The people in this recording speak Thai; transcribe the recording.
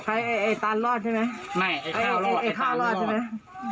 ไอ้ไอ้ตันรอดใช่ไหมไม่ไอ้ข้าวรอดไอ้ข้าวรอดใช่ไหม